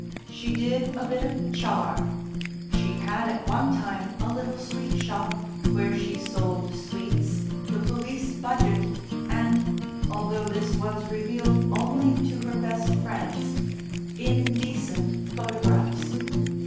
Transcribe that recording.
She did a bit of "char"; she had at one time a little sweetshop, where she sold sweets, the Police Budget, and although this was revealed only to her best friends indecent photographs.